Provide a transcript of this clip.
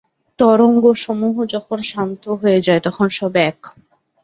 তরঙ্গসমূহ যখন শান্ত হয়ে যায়, তখন সব এক।